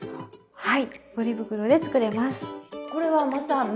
はい。